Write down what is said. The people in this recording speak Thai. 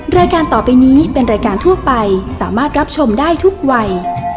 รายการต่อไปนี้เป็นรายการทั่วไปสามารถรับชมได้ทุกวัย